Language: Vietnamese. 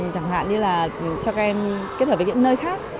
chẳng hạn như là cho các em kết hợp với những nơi khác